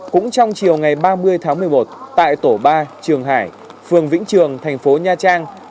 cũng trong chiều ngày ba mươi tháng một mươi một tại tổ ba trường hải phường vĩnh trường thành phố nha trang